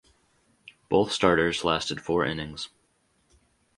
Both starters lasted four innings.